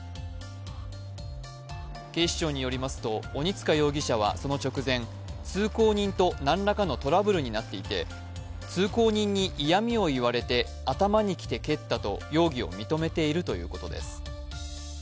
警視庁によりますと、鬼束容疑者はその直前、通行人と何らかのトラブルになっていて通行人に嫌みを言われて頭にきて蹴ったと容疑を認めているということです。